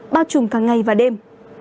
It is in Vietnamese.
bao trùm càng ngày và đêm